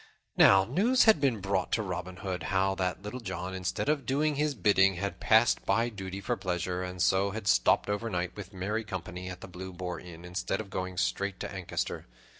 Now news had been brought to Robin Hood how that Little John, instead of doing his bidding, had passed by duty for pleasure, and so had stopped overnight with merry company at the Blue Boar Inn, instead of going straight to Ancaster.